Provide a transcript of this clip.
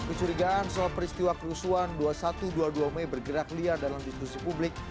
kecurigaan soal peristiwa kerusuhan dua puluh satu dua puluh dua mei bergerak liar dalam diskusi publik